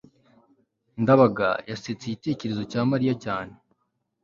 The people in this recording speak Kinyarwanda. ndabaga yasetse igitekerezo cya mariya cyane